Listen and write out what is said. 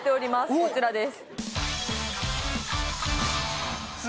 こちらです